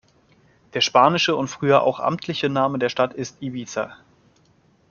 Der spanische und früher auch amtliche Name der Stadt ist "Ibiza".